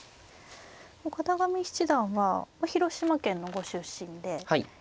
片上七段は広島県のご出身で山崎先生